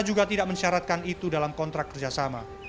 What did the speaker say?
juga tidak mensyaratkan itu dalam kontrak kerjasama